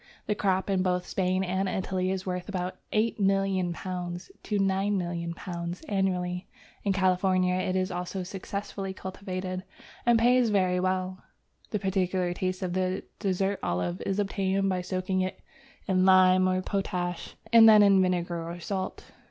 The crop in both Spain and Italy is worth about £8,000,000 to £9,000,000 annually. In California it is also successfully cultivated, and pays very well. The peculiar taste of the dessert olive is obtained by soaking it in lime or potash, and then in vinegar or salt.